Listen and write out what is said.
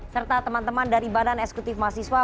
serta teman teman dari badan eksekutif mahasiswa